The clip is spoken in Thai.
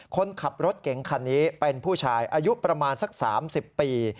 คนขับรถเก๋งคันนี้เป็นผู้ชายอายุประมาณสัก๓๐ปี